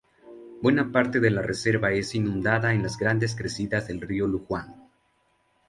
Buena parte de la reserva es inundada en las grandes crecidas del río Luján.